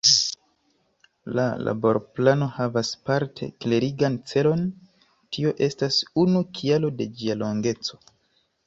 La Laborplano havas parte klerigan celon - tio estas unu kialo de ĝia longeco.